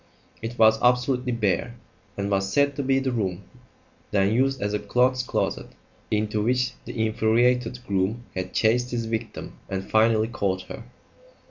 It was absolutely bare, and was said to be the room then used as a clothes closet into which the infuriated groom had chased his victim and finally caught her.